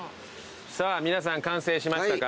さぁ皆さん完成しましたか？